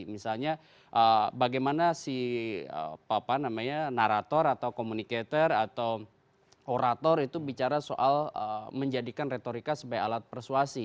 misalnya bagaimana si narator atau communicator atau orator itu bicara soal menjadikan retorika sebagai alat persuasi